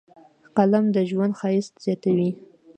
قلم د ژوند ښایست زیاتوي